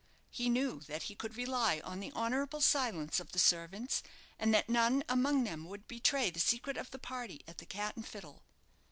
He knew that he could rely on the honourable silence of the servants; and that none among them would betray the secret of the party at the "Cat and Fiddle."